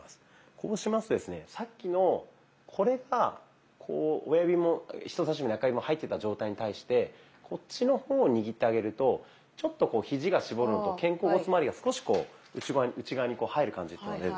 こうしますとですねさっきのこれがこう親指も人さし指も中指も入ってた状態に対してこっちの方を握ってあげるとちょっとこうひじが絞るのと肩甲骨まわりが少しこう内側に入る感じっていうのが出る。